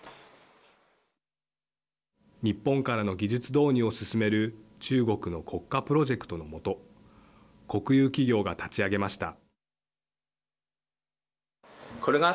日本からの技術導入を進める中国の国家プロジェクトの下国有企業が立ち上げました。